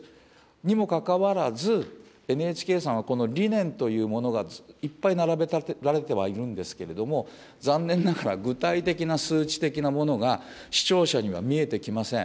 にもかかわらず、ＮＨＫさんは、この理念というものがいっぱい並べ立てられてはいるんですけれども、残念ながら、具体的な数値的なものが視聴者には見えてきません。